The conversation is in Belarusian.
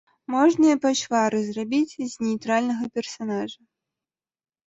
Можна і пачвару зрабіць з нейтральнага персанажа.